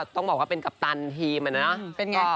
ต้องบอกว่าเป็นกัปตันทีมอะนะ